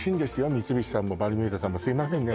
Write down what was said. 三菱さんもバルミューダさんもすいませんね